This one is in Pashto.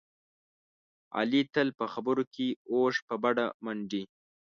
علي تل په خبرو کې اوښ په بډه منډي.